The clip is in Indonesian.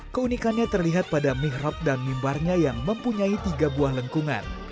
keunikannya terlihat pada mihrab dan mimbarnya yang mempunyai tiga buah lengkungan